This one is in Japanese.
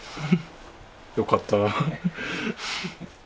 よかったら。